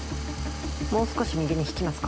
もう少し右に引きますか？